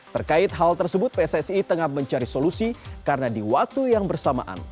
terkait hal tersebut pssi tengah mencari solusi karena di waktu yang bersamaan